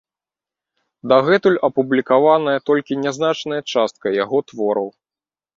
Дагэтуль апублікаваная толькі нязначная частка яго твораў.